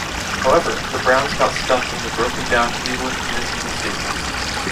However, the Browns got stuck in the broken-down Cleveland Municipal Stadium.